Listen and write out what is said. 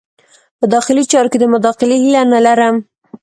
په داخلي چارو کې د مداخلې هیله نه لرم.